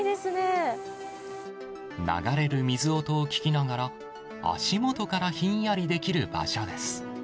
流れる水音を聞きながら、足元からひんやりできる場所です。